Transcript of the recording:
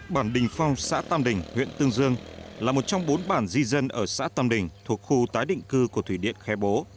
bản đình phong xã tam đình huyện tương dương là một trong bốn bản di dân ở xã tam đình thuộc khu tái định cư của thủy điện khe bố